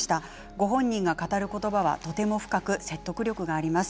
ご本人が語る言葉は深く説得力があります。